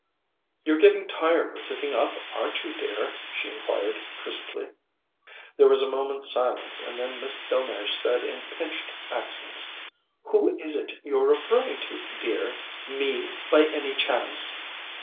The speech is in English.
"You're getting tired with sitting up, aren't you, dear?" she inquired crisply. There was a moment's silence, and then Miss Delmege said in pinched accents: "Who is it you're referring to, dear? Me, by any chance?"